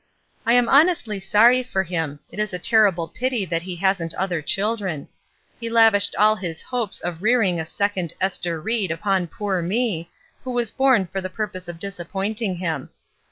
"I am honestly sorry for him; it is a terrible pity that he hasn't other children. He lav ished all his hopes of rearing a second 'Ester Ried' upon poor me, who was born for the pur pose of disappointing him.